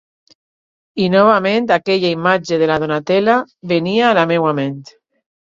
I novament aquella imatge de la Donatella venia a la meua ment.